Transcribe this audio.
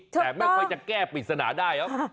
แต่ไม่ค่อยจะแก้ปริศนาได้แล้ว